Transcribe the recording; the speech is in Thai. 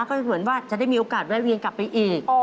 ก็เหมือนว่าจะได้มีโอกาสแวะเวียนกลับไปอีก